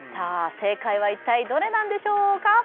正解は一体どれなんでしょうか？